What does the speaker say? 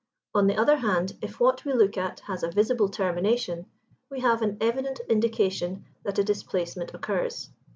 On the other hand, if what we look at has a visible termination, we have an evident indication that a displacement occurs.